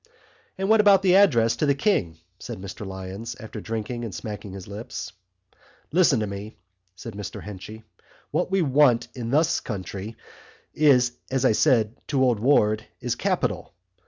"And what about the address to the King?" said Mr Lyons, after drinking and smacking his lips. "Listen to me," said Mr Henchy. "What we want in this country, as I said to old Ward, is capital.